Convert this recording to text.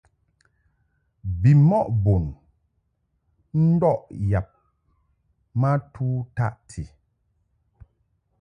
Bimɔʼ bun ndɔʼ yab ma tu taʼti.